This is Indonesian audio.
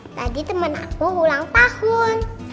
tadi temen aku ulang tahun